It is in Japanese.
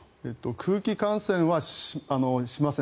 空気感染はしません。